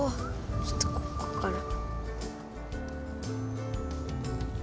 ちょっとここから。